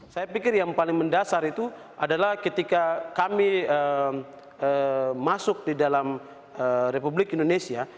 saya pikir yang paling mendasar itu adalah ketika kami masuk di dalam republik indonesia